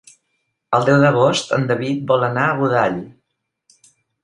El deu d'agost en David vol anar a Godall.